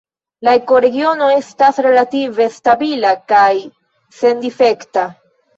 La ekoregiono estas relative stabila kaj sendifekta.